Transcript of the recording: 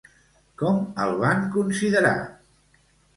Com el van considerar?